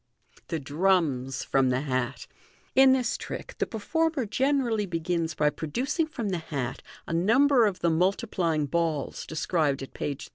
The Drums from the Hat. — In this trick the performer gene rally begins by producing from the hat a number of the multiplying balls described at page 307.